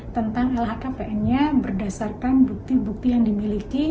tentang lhkpn nya berdasarkan bukti bukti yang dimiliki